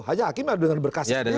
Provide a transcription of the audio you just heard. hanya hakim yang dengan berkasnya sendiri